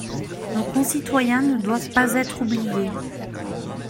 Nos concitoyens ne doivent pas être oubliés.